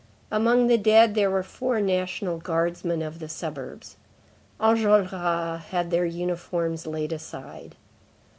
Among the dead there were four National Guardsmen of the suburbs. Enjolras had their uniforms laid aside.